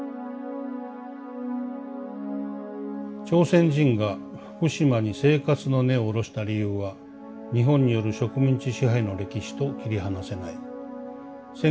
「朝鮮人が福島に生活の根を下ろした理由は日本による植民地支配の歴史と切り離せない。